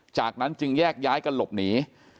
จากนั้นจึงแยกย้ายกันหลบหนี